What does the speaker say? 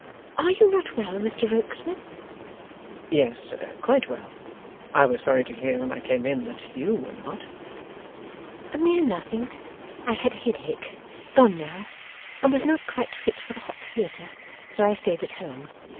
Are you not well, Mr Rokesmith?' 'Yes, quite well. I was sorry to hear, when I came in, that YOU were not.' 'A mere nothing. I had a headache gone now and was not quite fit for a hot theatre, so I stayed at home.